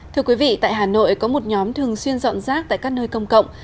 thưa quý vị tại hà nội có một nhóm thường xuyên dọn rác tại các nơi công cộng